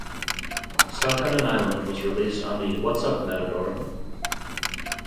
"Stuck on an Island" was released on the "What's Up Matador?